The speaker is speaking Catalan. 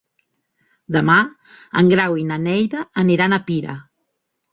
Demà en Grau i na Neida aniran a Pira.